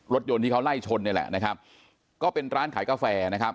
รถยนต์ที่เขาไล่ชนนี่แหละนะครับก็เป็นร้านขายกาแฟนะครับ